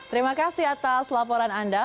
terima kasih atas laporan anda